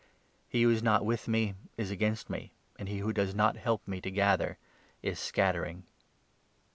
He who is not 23 with me is against me, and he who does not help me to o. xn er of gather is scattering.